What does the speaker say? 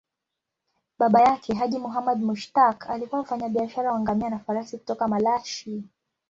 Baba yake, Haji Muhammad Mushtaq, alikuwa mfanyabiashara wa ngamia na farasi kutoka Malashi.